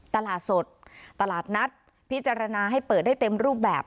ตลาดสดตลาดนัดพิจารณาให้เปิดได้เต็มรูปแบบ